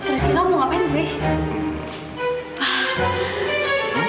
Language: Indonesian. rizky kamu mau ngapain sih